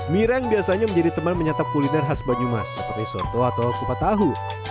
mirang biasanya menjadi teman menyatap kuliner khas banyumas seperti soto atau kupat tahu